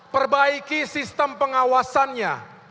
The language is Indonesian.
perbaiki sistem pengawasannya